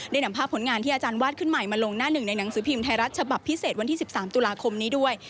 นำภาพผลงานที่อาจารย์วาดขึ้นใหม่มาลงหน้าหนึ่งในหนังสือพิมพ์ไทยรัฐฉบับพิเศษวันที่๑๓ตุลาคมนี้ด้วย